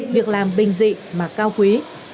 việc làm bình dị mà cao quý